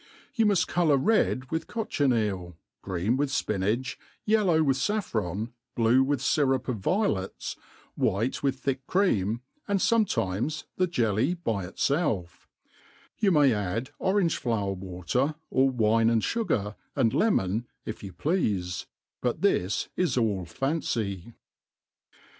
You muft colour red with cochineal, green with fpinach, yel low with faffron, blue with fyrup of violets, white with thick cream, and fometimes the jelly by itfelf* You may add orange flower water, or wine and fugar, and lemon, if you ^ pfeafe i but this is all fancy.